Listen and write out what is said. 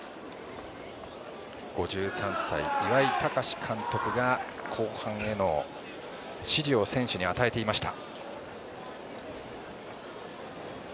５３歳、岩井隆監督が後半への指示を選手に与えていました。